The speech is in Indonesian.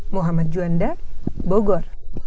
muhammad juanda bogor